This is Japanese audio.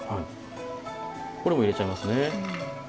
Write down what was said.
これも入れちゃいますね。